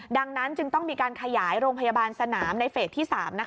ดังนั้นจึงต้องมีการขยายโรงพยาบาลสนามในเฟสที่๓